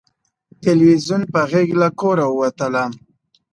تلویزیون په غېږ له کوره ووتلم